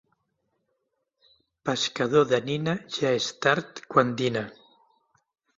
Pescador de nina ja és tard quan dina.